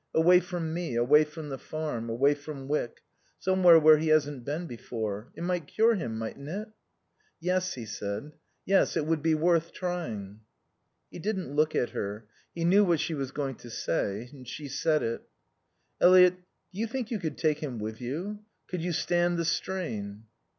Away from me, away from the farm, away from Wyck, somewhere where he hasn't been before. It might cure him, mightn't it?" "Yes," he said. "Yes. It would be worth trying." He didn't look at her. He knew what she was going to say. She said it. "Eliot do you think you could take him with you? Could you stand the strain?"